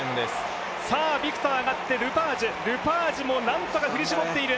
ビクターあがってルパージュ、ルパージュもなんとか振り絞っている。